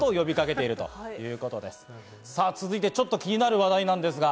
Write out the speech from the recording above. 続いてはちょっと気になる話題です。